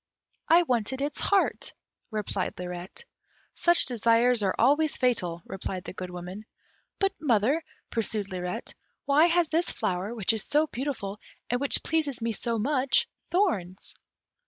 "I wanted its heart," replied Lirette. "Such desires are always fatal," replied the Good Woman. "But, mother," pursued Lirette, "why has this flower, which is so beautiful, and which pleases me so much, thorns?"